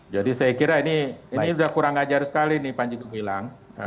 jadi saya kira ini sudah kurang ajar sekali nih panji gumilang